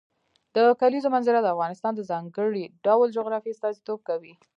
د کلیزو منظره د افغانستان د ځانګړي ډول جغرافیه استازیتوب کوي.